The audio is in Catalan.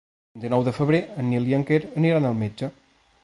El vint-i-nou de febrer en Nil i en Quer aniran al metge.